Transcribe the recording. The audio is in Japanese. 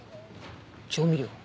調味料？